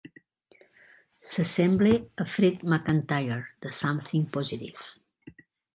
S'assembla a Fred MacIntire de "Something Positive".